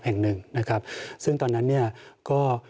แห่งหนึ่งนะครับซึ่งตอนนั้นเนี่ยก็